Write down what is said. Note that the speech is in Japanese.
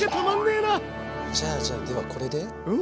じゃあじゃあではこれで。